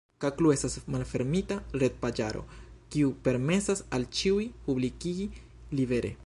Klaku estas malfermita retpaĝaro, kiu permesas al ĉiuj publikigi libere.